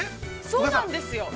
◆そうなんですよ。